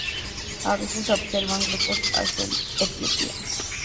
A veces se observan grupos hasta en Etiopía.